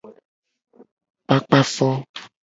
Kpakpa fo.